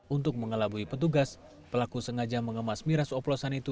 untuk mengelabui petugas pelaku sengaja mengemas miras oplosan itu